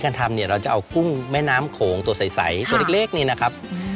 เราจะเอากุ้งแม่น้ำโขงตัวใสตัวเล็กนี่นะครับ